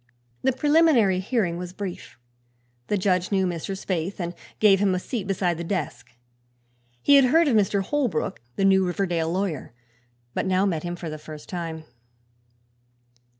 The preliminary hearing was brief. The judge knew Mr. Spaythe and gave him a seat beside his desk. He had heard of Mr. Holbrook, the new Riverdale lawyer, but now met him for the first time.